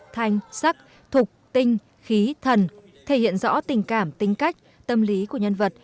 thanh sắc thục tinh khí thần thể hiện rõ tình cảm tính cách tâm lý của nhân vật